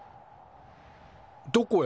どこへ？